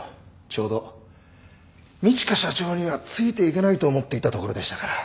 ちょうど路加社長にはついていけないと思っていたところでしたから。